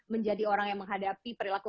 menjadi orang yang menghadapi perilaku